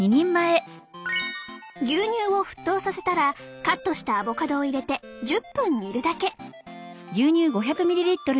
牛乳を沸騰させたらカットしたアボカドを入れて１０分煮るだけ。